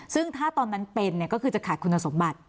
ซึ่งถ้าตอนนั้นเป็นก็คือจะขาดคุณสมบัติ